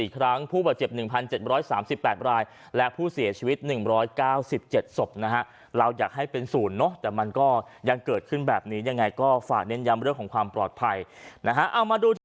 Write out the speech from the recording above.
ครั้งผู้บาดเจ็บ๑๗๓๘รายและผู้เสียชีวิต๑๙๗ศพนะฮะเราอยากให้เป็นศูนย์เนอะแต่มันก็ยังเกิดขึ้นแบบนี้ยังไงก็ฝากเน้นย้ำเรื่องของความปลอดภัยนะฮะเอามาดูที่